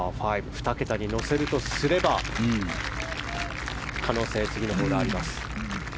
２桁に乗せるとすれば可能性、次のホールがあります。